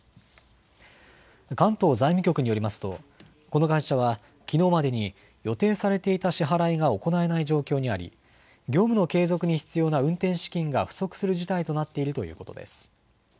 関東財務局によりますとこの会社はきのうまでに予定されていた支払いが行えない状況にあり業務の継続に必要な運転資金が不足する事態となっているということです。